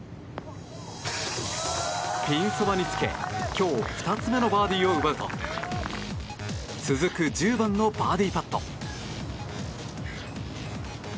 ピンそばにつけ今日２つ目のバーディーを奪うと続く１０番のバーディーパット。